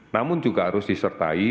namun juga harus disertai